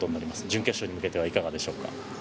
準決勝に向けてはいかがでしょうか？